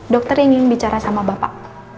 dokter ingin bicara sama bapak